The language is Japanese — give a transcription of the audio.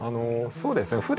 そうですね。